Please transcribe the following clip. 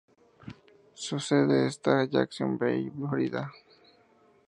Su sede está en Jacksonville, Florida.